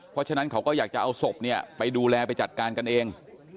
เพราะฉะนั้นเขาก็อยากจะเอาศพเนี่ยไปดูแลไปจัดการกันเอง